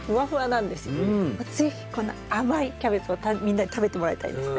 是非この甘いキャベツをみんなに食べてもらいたいですね。